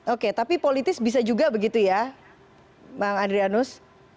oke tapi politis bisa juga begitu ya bang adrianus